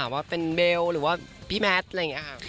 ว่าเป็นเบลหรือว่าพี่แมทอะไรอย่างนี้ค่ะ